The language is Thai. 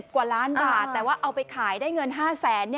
กว่าล้านบาทแต่ว่าเอาไปขายได้เงิน๕แสน